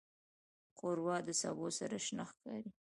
ښوروا د سبو سره شنه ښکاري.